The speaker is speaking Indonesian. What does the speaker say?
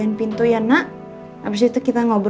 hitungnya rasul tidak menjabat